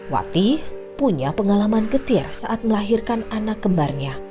wati punya pengalaman getir saat melahirkan anak kembarnya